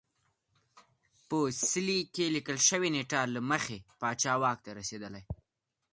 په څلي کې لیکل شوې نېټه له مخې پاچا واک ته رسېدلی